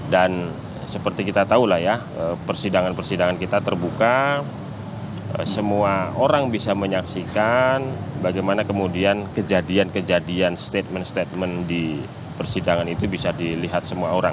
dan seperti kita tahulah ya persidangan persidangan kita terbuka semua orang bisa menyaksikan bagaimana kemudian kejadian kejadian statement statement di persidangan itu bisa dilihat semua orang